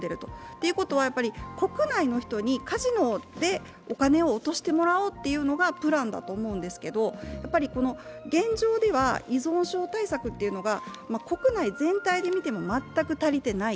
ということは、国内の人にカジノでお金を落としてもらおうというのがプランだと思うんですけど、現状では依存症対策というのが国内全体で見ても全く足りてない。